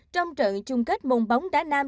trong trận chung kết môn bóng đá nam